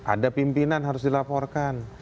ada pimpinan harus dilaporkan